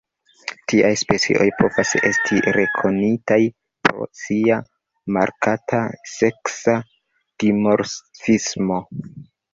Tiaj specioj povas esti rekonitaj pro sia markata seksa dimorfismo.